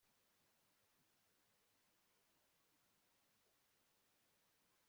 nifuzaga ko habimana atakora ibintu nkibyo